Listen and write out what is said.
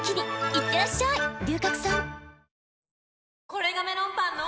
これがメロンパンの！